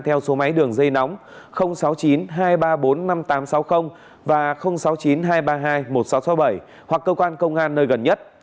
theo số máy đường dây nóng sáu mươi chín hai trăm ba mươi bốn năm nghìn tám trăm sáu mươi và sáu mươi chín hai trăm ba mươi hai một nghìn sáu trăm sáu mươi bảy hoặc cơ quan công an nơi gần nhất